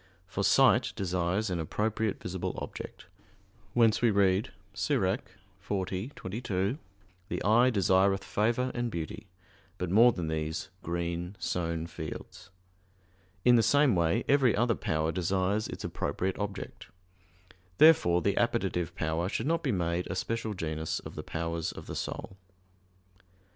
For sight desires an appropriate visible object; whence we read (Ecclus. 40:22): "The eye desireth favor and beauty, but more than these green sown fields." In the same way every other power desires its appropriate object. Therefore the appetitive power should not be made a special genus of the powers of the soul.